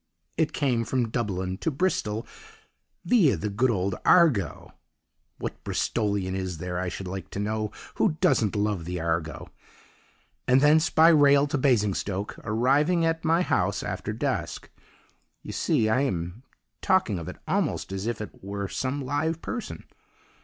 It came from Dublin to Bristol viâ the good old Argo (what Bristolian is there, I should like to know, who doesn't love the Argo!) and thence by rail to Basingstoke, arriving at my house after dusk. You see, I am talking of it almost as if it were some live person!